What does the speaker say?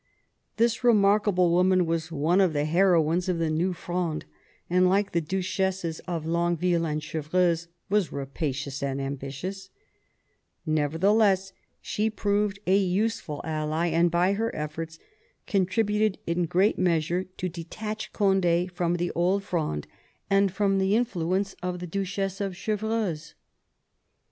This remarkable woman was one of the heroines of the New Fronde, V THE EARLY YEARS OF THE NEW FRONDE 98 and like the Duchesses of Longueville and Chevreuse was rapacious and ambitious. Nevertheless she proved a useful ally, and by her efforts contributed in great measure to detach Cond^ from the Old Fronde and from the influence of the Duchess of Chevreuse.